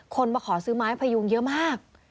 มาขอซื้อไม้พยุงเยอะมาก